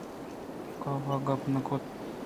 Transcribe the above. کاف ءَ گپ نہ کُت